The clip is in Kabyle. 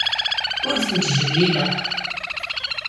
Ur ten-ttjellileɣ.